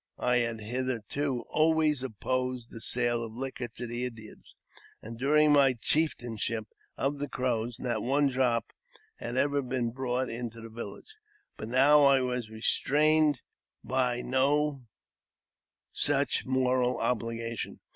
I had hitherto always opposed the sale of liquor to the Indians, and, during my chieftainship of the Crows, not one drop had ever been brought into the village ; but now I was restrained by no such moral obligation.